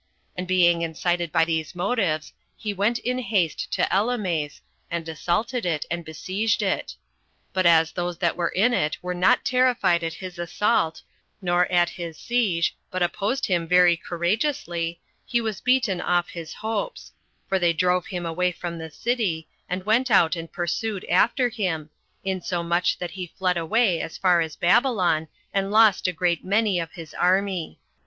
And being incited by these motives, he went in haste to Elymais, and assaulted it, and besieged it. But as those that were in it were not terrified at his assault, nor at his siege, but opposed him very courageously, he was beaten off his hopes; for they drove him away from the city, and went out and pursued after him, insomuch that he fled away as far as Babylon, and lost a great many of his army.